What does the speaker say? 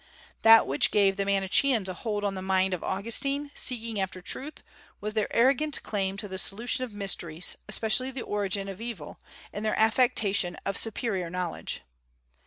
That which gave the Manicheans a hold on the mind of Augustine, seeking after truth, was their arrogant claim to the solution of mysteries, especially the origin of evil, and their affectation of superior knowledge.